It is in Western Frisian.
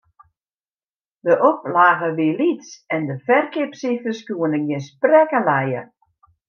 De oplage wie lyts en de ferkeapsifers koene gjin sprekken lije.